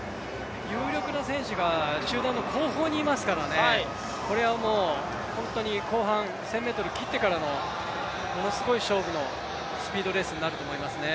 有力な選手が集団の後方にいますからねこれはもう、本当に後半、１０００ｍ切ってからのものすごい勝負のスピードレースになると思いますね。